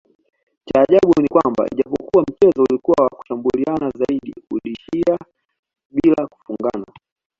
Cha ajabu ni kwamba ijapokua mchezo ulikua wa kushambuliana zaidi uliisha bila kufungana